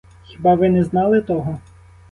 Хіба ви не знали того?